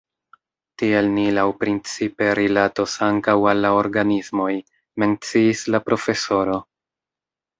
Tiel ni laŭprincipe rilatos ankaŭ al la organismoj, menciis la profesoro.